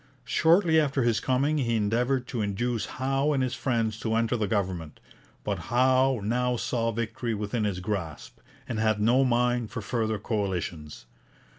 Shortly after his coming he endeavoured to induce Howe and his friends to enter the government, but Howe now saw victory within his grasp, and had no mind for further coalitions.